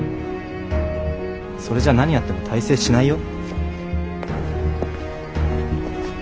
それじゃ何やっても大成しないよ。